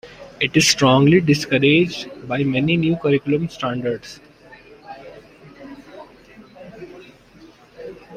It is strongly discouraged by many new curriculum standards.